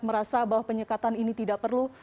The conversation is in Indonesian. merasa bahwa penyekatan ini tidak perlu